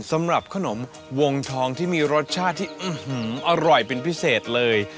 สำหรับขนมวงทองที่มีรสชาติที่อร่อยเป็นพิเศษเลย